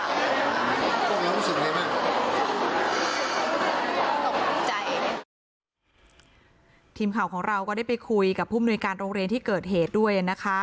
ทีมข่าวของเราก็ได้ไปคุยกับผู้มนุยการโรงเรียนที่เกิดเหตุด้วยนะคะ